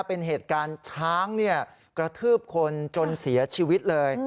เป็นเหตุการณ์ช้างกระทืบคนจนเสียชีวิตเลย